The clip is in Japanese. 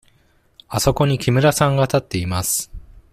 あそこに木村さんが立っています。